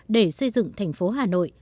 để xây dựng thành phố hà nội